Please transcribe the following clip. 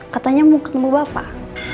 katanya mau ketemu bapak